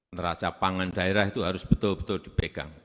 neraca pangan daerah itu harus betul betul dipegang